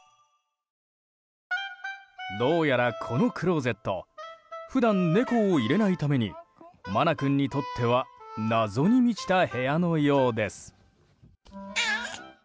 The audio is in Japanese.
どうやらこのクローゼット普段、猫を入れないためにマナ君にとっては謎に満ちた部屋のようです。